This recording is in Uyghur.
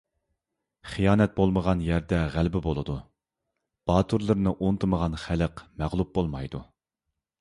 خىيانەت بولمىغان يەردە غەلىبە بولىدۇ؛ باتۇرلىرىنى ئۇنتۇمىغان خەلق مەغلۇپ بولمايدۇ.